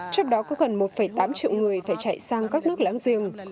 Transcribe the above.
trong đó có gần một tám triệu người phải chạy sang các nước láng giềng